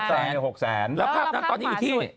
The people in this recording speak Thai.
แล้วภาพนั้นตอนนี้อยู่ที่